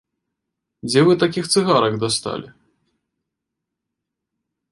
Дзе вы такіх цыгарак дасталі?